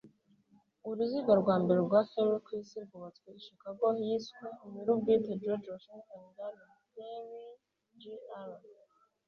Uruziga rwa mbere rwa Ferris ku isi rwubatswe i Chicago Yiswe nyirubwite George Washington Gale Ferris Jr